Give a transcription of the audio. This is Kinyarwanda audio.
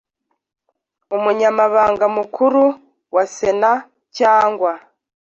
Umunyamabanga mukuru wa sena cyangwa